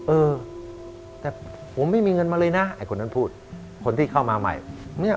เออแต่ผมไม่มีเงินมาเลยนะไอ้คนนั้นพูดคนที่เข้ามาใหม่เนี่ย